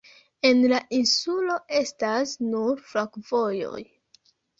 En la insulo estas nur flankovojoj.